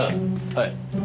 はい。